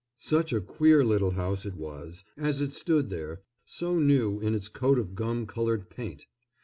Such a queer little house it was, as it stood there so new in its coat of gum colored paint.